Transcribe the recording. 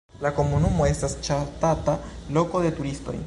La komunumo estas ŝatata loko de turistoj.